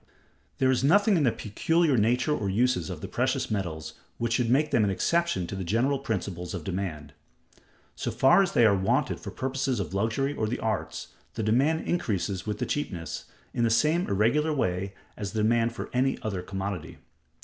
There is nothing in the peculiar nature or uses of the precious metals which should make them an exception to the general principles of demand. So far as they are wanted for purposes of luxury or the arts, the demand increases with the cheapness, in the same irregular way as the demand for any other commodity.